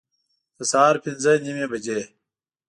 د سهار پنځه نیمي بجي